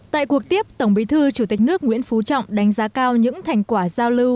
tại cuộc tiếp tổng bí thư chủ tịch nước nguyễn phú trọng đánh giá cao những thành quả giao lưu